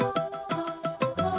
nih aku tidur